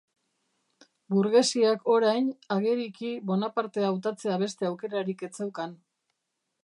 Burgesiak orain, ageriki, Bonaparte hautatzea beste aukerarik ez zeukan.